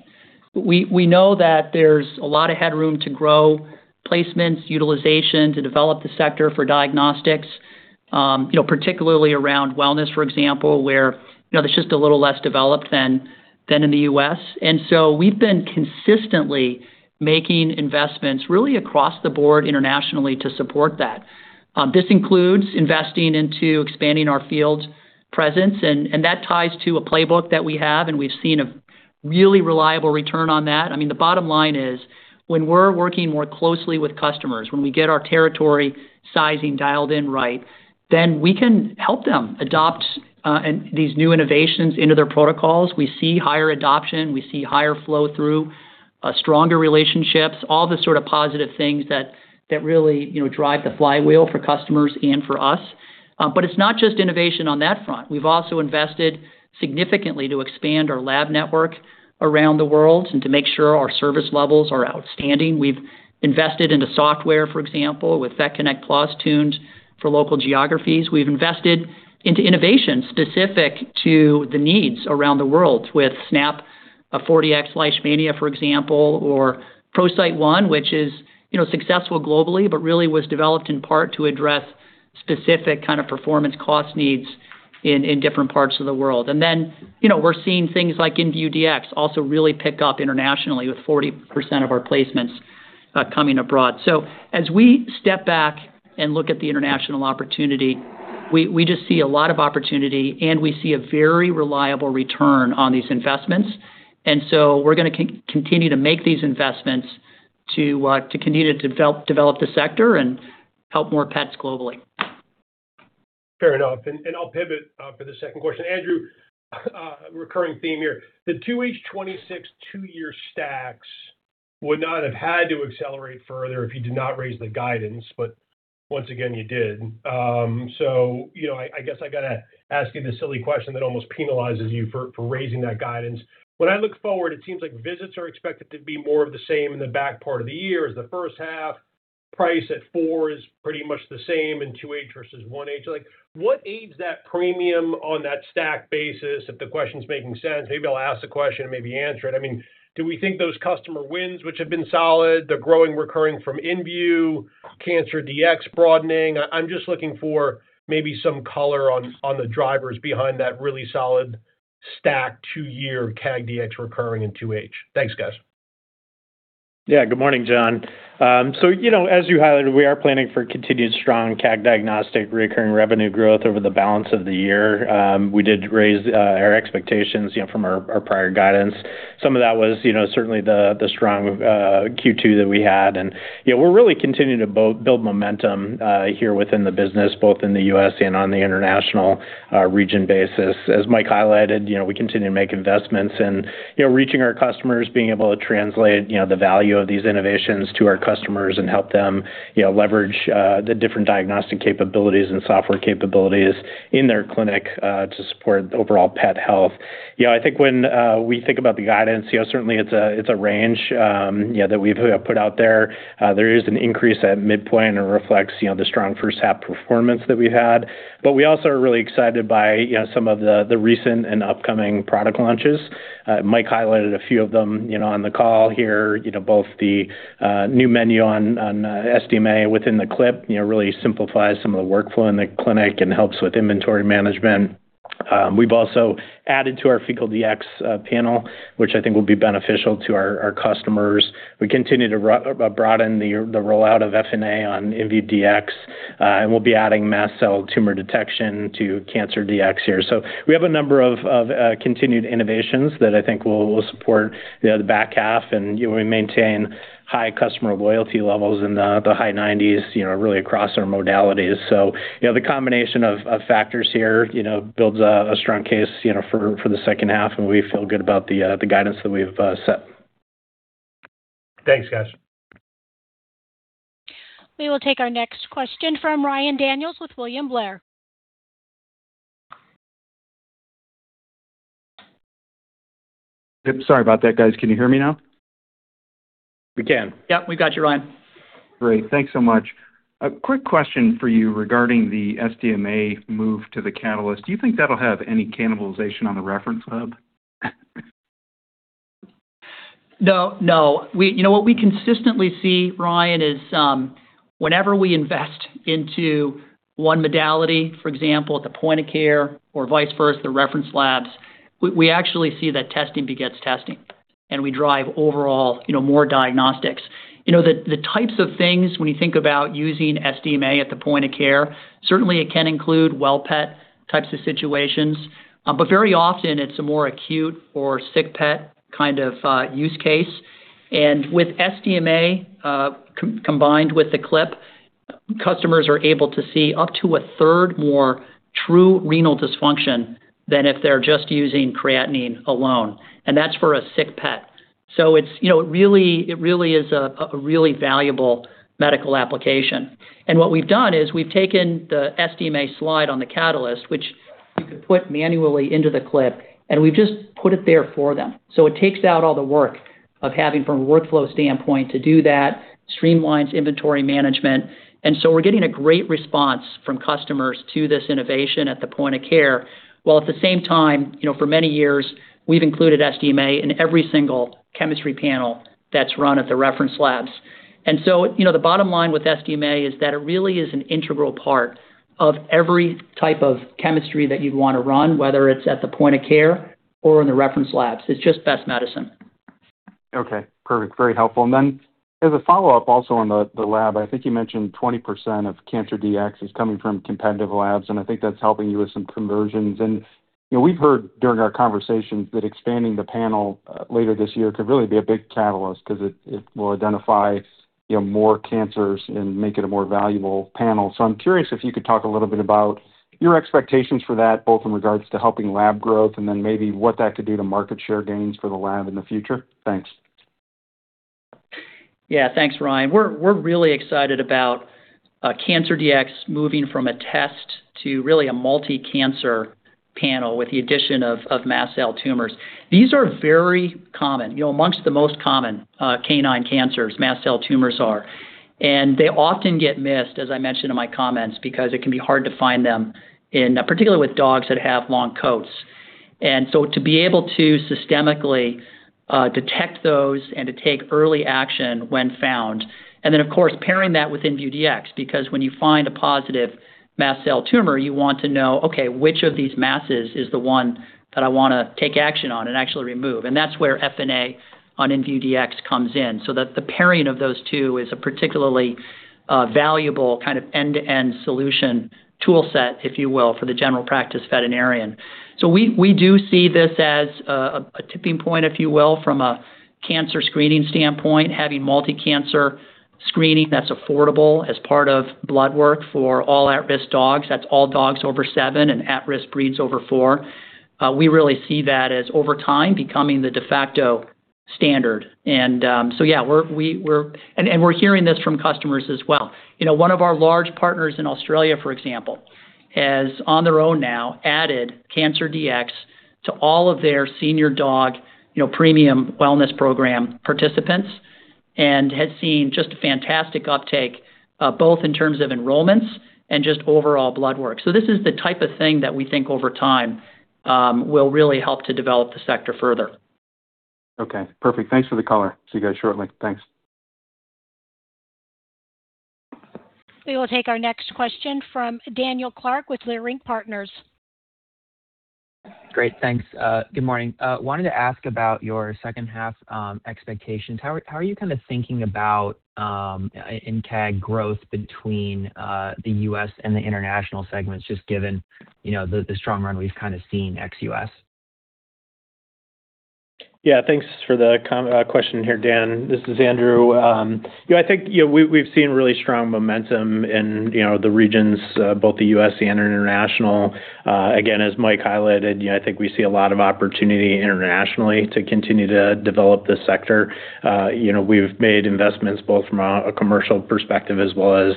We know that there's a lot of headroom to grow placements, utilization to develop the sector for diagnostics, particularly around wellness, for example, where it's just a little less developed than in the U.S. We've been consistently making investments really across the board internationally to support that. This includes investing into expanding our field presence. That ties to a playbook that we have. We've seen a really reliable return on that. The bottom line is, when we're working more closely with customers, when we get our territory sizing dialed in right, we can help them adopt these new innovations into their protocols. We see higher adoption, we see higher flow through, stronger relationships, all the sort of positive things that really drive the flywheel for customers and for us. It's not just innovation on that front. We've also invested significantly to expand our lab network around the world and to make sure our service levels are outstanding. We've invested into software, for example, with VetConnect PLUS tuned for local geographies. We've invested into innovation specific to the needs around the world with SNAP 4Dx Leishmania, for example, or ProCyte One, which is successful globally, but really was developed in part to address specific kind of performance cost needs in different parts of the world. We're seeing things like inVue Dx also really pick up internationally with 40% of our placements coming abroad. As we step back and look at the international opportunity, we just see a lot of opportunity and we see a very reliable return on these investments. We're going to continue to make these investments to continue to develop the sector and help more pets globally. Fair enough. I'll pivot for the second question. Andrew, recurring theme here. The 2H 2026 two-year stacks would not have had to accelerate further if you did not raise the guidance, once again, you did. I guess I got to ask you the silly question that almost penalizes you for raising that guidance. When I look forward, it seems like visits are expected to be more of the same in the back part of the year as the first half. Price at 4 is pretty much the same in 2H versus 1H. What aids that premium on that stack basis? If the question's making sense, maybe I'll ask the question and maybe answer it. Do we think those customer wins, which have been solid, the growing recurring from inVue Dx, Cancer Dx broadening? I'm just looking for maybe some color on the drivers behind that really solid stacked two-year CAG Dx recurring in 2H. Thanks, guys. Yeah. Good morning, Jon. As you highlighted, we are planning for continued strong CAG Diagnostics recurring revenue growth over the balance of the year. We did raise our expectations from our prior guidance. Some of that was certainly the strong Q2 that we had. We're really continuing to build momentum here within the business, both in the U.S. and on the international region basis. As Mike highlighted, we continue to make investments and reaching our customers, being able to translate the value of these innovations to our customers and help them leverage the different diagnostic capabilities and software capabilities in their clinic to support overall pet health. I think when we think about the guidance, certainly it's a range that we've put out there. There is an increase at midpoint and it reflects the strong first half performance that we had. We also are really excited by some of the recent and upcoming product launches. Mike highlighted a few of them on the call here, both the new menu on SDMA within the CLIPs really simplifies some of the workflow in the clinic and helps with inventory management. We've also added to our Fecal Dx panel, which I think will be beneficial to our customers. We continue to broaden the rollout of FNA on inVue Dx, and we'll be adding mast cell tumor detection to Cancer Dx here. We have a number of continued innovations that I think will support the other back half, and we maintain high customer loyalty levels in the high 90s, really across our modalities. The combination of factors here builds a strong case for the second half, and we feel good about the guidance that we've set. Thanks, guys. We will take our next question from Ryan Daniels with William Blair. Sorry about that, guys. Can you hear me now? We can. Yep, we got you, Ryan. Great. Thanks so much. A quick question for you regarding the SDMA move to the Catalyst. Do you think that'll have any cannibalization on the reference lab? No. What we consistently see, Ryan, is whenever we invest into one modality, for example, at the point of care or vice versa, the reference labs, we actually see that testing begets testing. We drive overall more diagnostics. The types of things when you think about using SDMA at the point of care, certainly it can include well pet types of situations, but very often it's a more acute or sick pet kind of use case. With SDMA, combined with the CLIP, customers are able to see up to a third more true renal dysfunction than if they're just using creatinine alone. That's for a sick pet. It really is a really valuable medical application. What we've done is we've taken the SDMA slide on the Catalyst, which you could put manually into the CLIP, and we've just put it there for them. It takes out all the work of having, from a workflow standpoint, to do that, streamlines inventory management. We're getting a great response from customers to this innovation at the point of care, while at the same time, for many years, we've included SDMA in every single chemistry panel that's run at the reference labs. The bottom line with SDMA is that it really is an integral part of every type of chemistry that you'd want to run, whether it's at the point of care or in the reference labs. It's just best medicine. Okay, perfect. Very helpful. As a follow-up also on the lab, I think you mentioned 20% of Cancer Dx is coming from competitive labs, and I think that's helping you with some conversions. We've heard during our conversations that expanding the panel later this year could really be a big catalyst because it will identify more cancers and make it a more valuable panel. I'm curious if you could talk a little bit about your expectations for that, both in regards to helping lab growth and then maybe what that could do to market share gains for the lab in the future. Thanks. Yeah, thanks, Ryan. We're really excited about Cancer Dx moving from a test to really a multi-cancer panel with the addition of mast cell tumors. These are very common, amongst the most common canine cancers, mast cell tumors are. They often get missed, as I mentioned in my comments, because it can be hard to find them, particularly with dogs that have long coats. To be able to systemically detect those and to take early action when found, and then of course, pairing that with inVue Dx, because when you find a positive mast cell tumor, you want to know, okay, which of these masses is the one that I want to take action on and actually remove? That's where FNA on inVue Dx comes in. The pairing of those two is a particularly valuable kind of end-to-end solution tool set, if you will, for the general practice veterinarian. We do see this as a tipping point, if you will, from a cancer screening standpoint, having multi-cancer screening that's affordable as part of blood work for all at-risk dogs. That's all dogs over seven and at-risk breeds over four. We really see that as, over time, becoming the de facto standard. We're hearing this from customers as well. One of our large partners in Australia, for example, has on their own now added Cancer Dx to all of their senior dog premium wellness program participants and has seen just a fantastic uptake, both in terms of enrollments and just overall blood work. This is the type of thing that we think over time will really help to develop the sector further. Okay, perfect. Thanks for the color. See you guys shortly. Thanks. We will take our next question from Daniel Clark with Leerink Partners. Great, thanks. Good morning. Wanted to ask about your second half expectations. How are you kind of thinking about in CAG growth between the U.S. and the international segments, just given the strong run we've kind of seen ex-U.S.? Yeah, thanks for the question here, Dan. This is Andrew. I think we've seen really strong momentum in the regions, both the U.S. and international. Again, as Mike highlighted, I think we see a lot of opportunity internationally to continue to develop this sector. We've made investments both from a commercial perspective as well as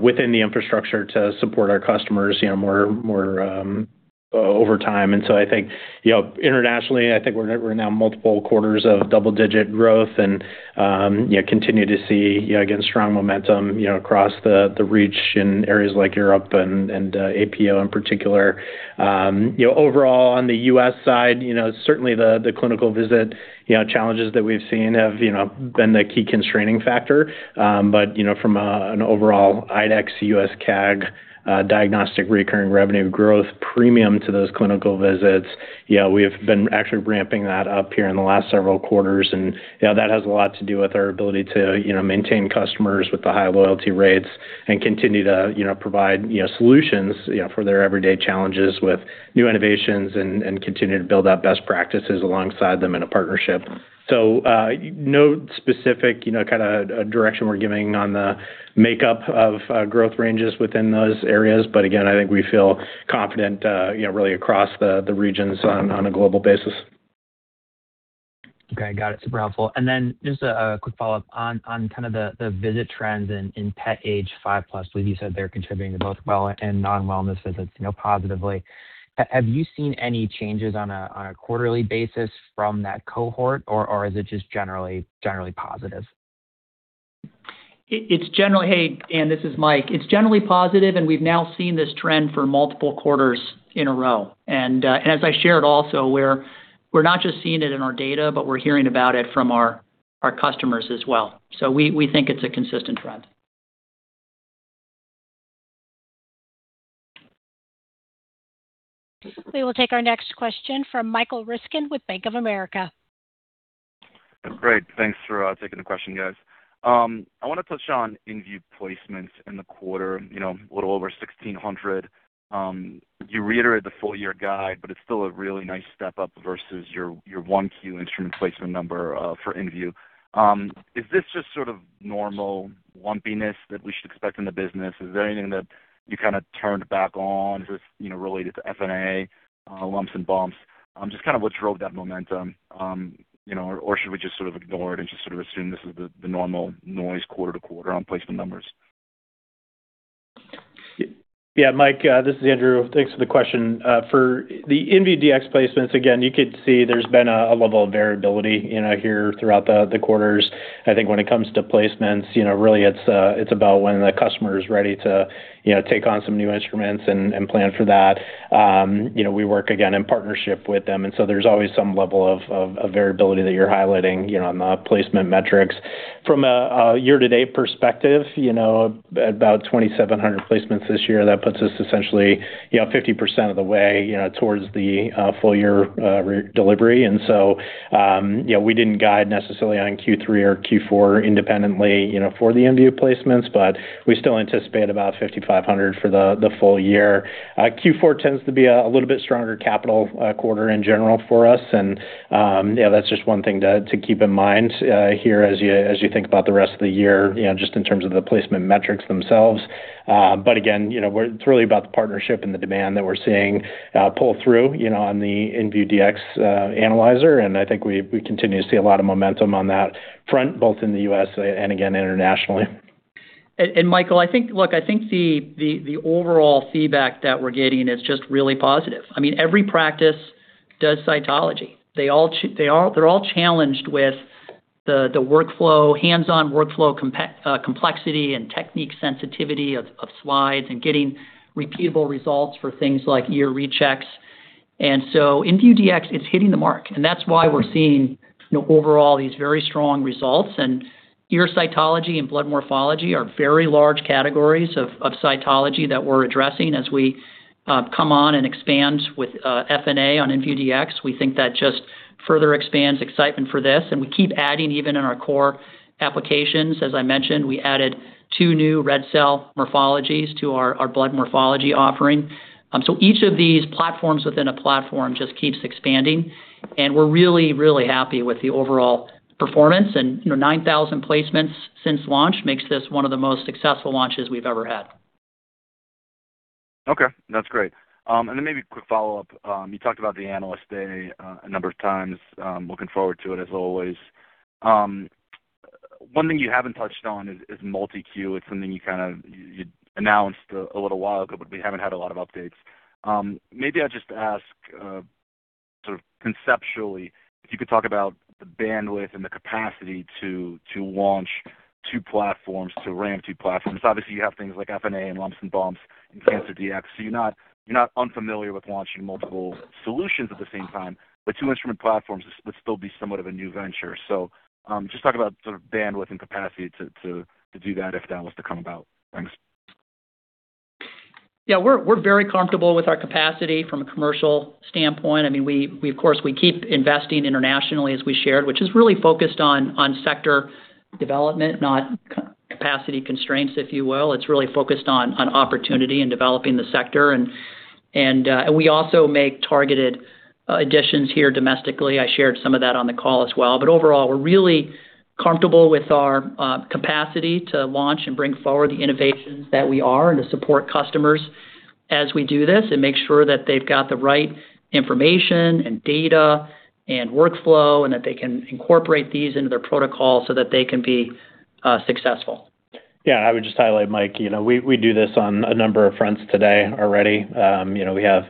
within the infrastructure to support our customers more over time. I think internationally, I think we're now multiple quarters of double-digit growth and continue to see, again, strong momentum across the reach in areas like Europe and APAC in particular. Overall on the U.S. side, certainly the clinical visit challenges that we've seen have been the key constraining factor. From an overall IDEXX U.S. CAG diagnostic recurring revenue growth premium to those clinical visits, we've been actually ramping that up here in the last several quarters, and that has a lot to do with our ability to maintain customers with the high loyalty rates and continue to provide solutions for their everyday challenges with new innovations and continue to build out best practices alongside them in a partnership. No specific kind of direction we're giving on the makeup of growth ranges within those areas, but again, I think we feel confident really across the regions on a global basis. Okay, got it. Super helpful. Then just a quick follow-up on kind of the visit trends in pet age five plus. I believe you said they're contributing to both well and non-wellness visits positively. Have you seen any changes on a quarterly basis from that cohort, or is it just generally positive? Hey, Dan, this is Mike. It's generally positive, and we've now seen this trend for multiple quarters in a row. As I shared also, we're not just seeing it in our data, but we're hearing about it from our customers as well. We think it's a consistent trend. We will take our next question from Michael Ryskin with Bank of America. Great. Thanks for taking the question, guys. I want to touch on inVue Dx placements in the quarter, a little over 1,600. You reiterated the full-year guide, but it's still a really nice step up versus your 1Q instrument placement number for inVue Dx. Is this just normal lumpiness that we should expect in the business? Is there anything that you turned back on? Is this related to FNA lumps and bumps? Just what drove that momentum? Or should we just ignore it and just assume this is the normal noise quarter-to-quarter on placement numbers? Yeah, Mike, this is Andrew. Thanks for the question. For the inVue Dx placements, again, you could see there's been a level of variability here throughout the quarters. I think when it comes to placements, really it's about when the customer is ready to take on some new instruments and plan for that. We work, again, in partnership with them, so there's always some level of variability that you're highlighting on the placement metrics. From a year-to-date perspective, about 2,700 placements this year. That puts us essentially 50% of the way towards the full-year delivery. We didn't guide necessarily on Q3 or Q4 independently for the inVue Dx placements, but we still anticipate about 5,500 for the full year. Q4 tends to be a little bit stronger capital quarter in general for us. That's just one thing to keep in mind here as you think about the rest of the year, just in terms of the placement metrics themselves. But again, it's really about the partnership and the demand that we're seeing pull through on the inVue Dx analyzer. I think we continue to see a lot of momentum on that front, both in the U.S. and again, internationally. Michael, I think the overall feedback that we're getting is just really positive. Every practice does cytology. They're all challenged with the hands-on workflow complexity and technique sensitivity of slides and getting repeatable results for things like ear rechecks. inVue Dx, it's hitting the mark, and that's why we're seeing overall these very strong results. Ear cytology and blood morphology are very large categories of cytology that we're addressing as we come on and expand with FNA on inVue Dx. We think that just further expands excitement for this, and we keep adding even in our core applications. As I mentioned, we added two new red cell morphologies to our blood morphology offering. Each of these platforms within a platform just keeps expanding, and we're really, really happy with the overall performance. 9,000 placements since launch makes this one of the most successful launches we've ever had. Okay, that's great. Then maybe a quick follow-up. You talked about the Analyst Day a number of times. Looking forward to it as always. One thing you haven't touched on is MultiQ. It's something you announced a little while ago, but we haven't had a lot of updates. Maybe I'll just ask, conceptually, if you could talk about the bandwidth and the capacity to launch two platforms, to RAM two platforms. Obviously, you have things like FNA and lumps and bumps and Cancer Dx. So you're not unfamiliar with launching multiple solutions at the same time, but two instrument platforms would still be somewhat of a new venture. So, just talk about bandwidth and capacity to do that, if that was to come about. Thanks. Yeah, we're very comfortable with our capacity from a commercial standpoint. Of course, we keep investing internationally as we shared, which is really focused on sector development, not capacity constraints, if you will. It's really focused on opportunity and developing the sector. We also make targeted additions here domestically. I shared some of that on the call as well. Overall, we're really comfortable with our capacity to launch and bring forward the innovations that we are and to support customers as we do this and make sure that they've got the right information and data and workflow, and that they can incorporate these into their protocol so that they can be successful. Yeah, I would just highlight, Mike, we do this on a number of fronts today already. We have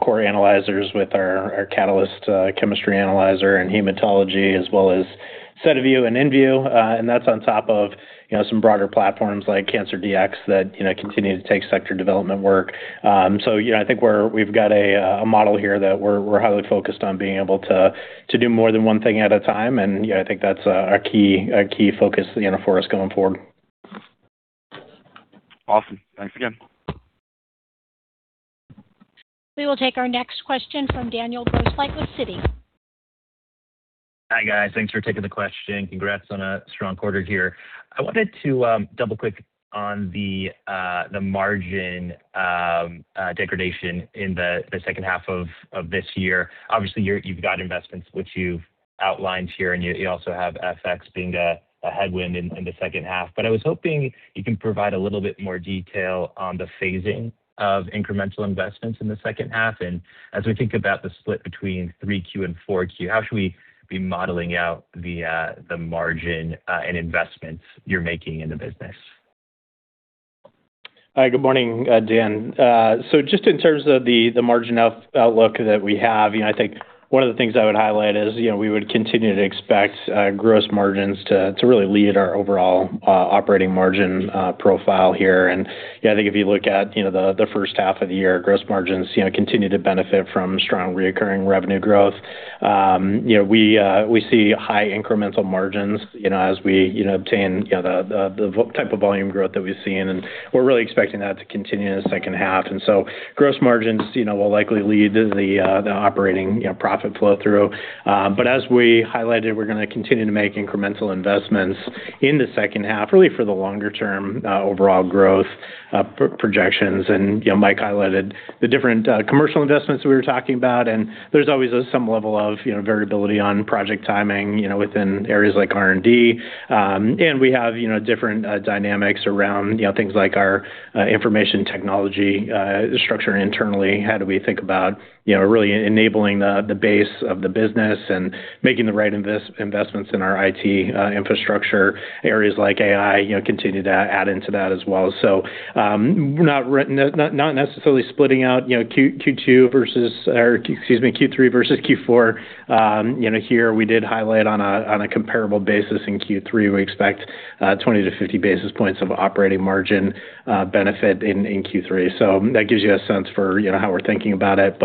core analyzers with our Catalyst chemistry analyzer and hematology, as well as SediVue Dx and inVue Dx. That's on top of some broader platforms like Cancer Dx that continue to take sector development work. I think we've got a model here that we're highly focused on being able to do more than one thing at a time. Yeah, I think that's a key focus for us going forward. Awesome. Thanks again. We will take our next question from Daniel Grosslight with Citi. Hi, guys. Thanks for taking the question. Congrats on a strong quarter here. I wanted to double-click on the margin degradation in the second half of this year. Obviously, you've got investments which you've outlined here, you also have FX being a headwind in the second half. I was hoping you can provide a little bit more detail on the phasing of incremental investments in the second half. As we think about the split between 3Q and 4Q, how should we be modeling out the margin and investments you're making in the business? Hi, good morning, Dan. Just in terms of the margin outlook that we have, I think one of the things I would highlight is, we would continue to expect gross margins to really lead our overall operating margin profile here. I think if you look at the first half of the year, gross margins continue to benefit from strong reoccurring revenue growth. We see high incremental margins as we obtain the type of volume growth that we've seen, and we're really expecting that to continue in the second half. Gross margins will likely lead the operating profit flow-through. As we highlighted, we're going to continue to make incremental investments in the second half, really for the longer-term overall growth projections. Mike highlighted the different commercial investments we were talking about, and there's always some level of variability on project timing within areas like R&D. We have different dynamics around things like our information technology structure internally. How do we think about really enabling the base of the business and making the right investments in our IT infrastructure? Areas like AI continue to add into that as well. Not necessarily splitting out Q3 versus Q4 here. We did highlight on a comparable basis in Q3, we expect 20-50 basis points of operating margin benefit in Q3. That gives you a sense for how we're thinking about it.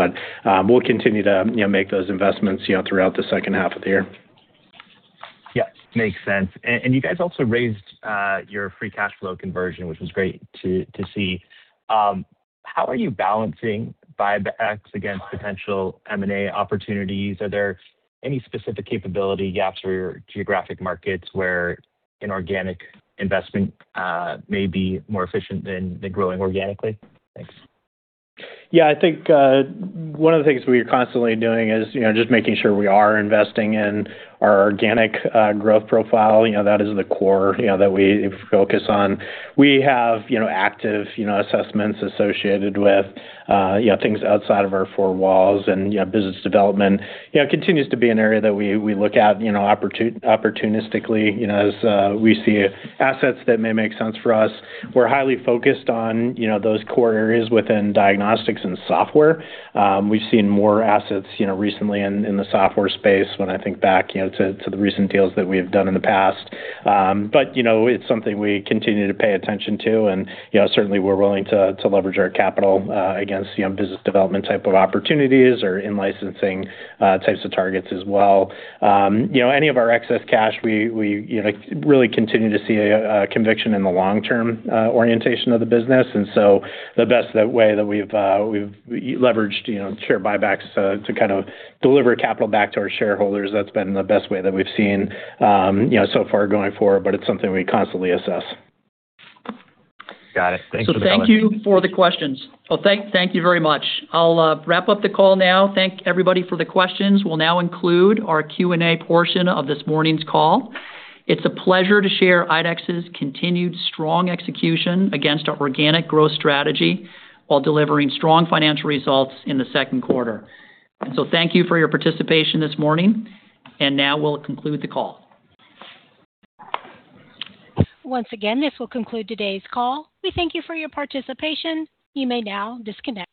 We'll continue to make those investments throughout the second half of the year. Yeah, makes sense. You guys also raised your free cash flow conversion, which was great to see. How are you balancing buybacks against potential M&A opportunities? Are there any specific capability gaps for your geographic markets where an organic investment may be more efficient than growing organically? Thanks. Yeah, I think one of the things we are constantly doing is just making sure we are investing in our organic growth profile. That is the core that we focus on. We have active assessments associated with things outside of our four walls, business development continues to be an area that we look at opportunistically as we see assets that may make sense for us. We're highly focused on those core areas within diagnostics and software. We've seen more assets recently in the software space when I think back to the recent deals that we have done in the past. It's something we continue to pay attention to. Certainly, we're willing to leverage our capital against business development type of opportunities or in-licensing types of targets as well. Any of our excess cash, we really continue to see a conviction in the long-term orientation of the business, the best way that we've leveraged share buybacks to kind of deliver capital back to our shareholders, that's been the best way that we've seen so far going forward, it's something we constantly assess. Got it. Thanks for the color. Thank you for the questions. Thank you very much. I'll wrap up the call now. Thank everybody for the questions. We'll now conclude our Q&A portion of this morning's call. It's a pleasure to share IDEXX's continued strong execution against our organic growth strategy while delivering strong financial results in the second quarter. Thank you for your participation this morning, and now we'll conclude the call. Once again, this will conclude today's call. We thank you for your participation. You may now disconnect.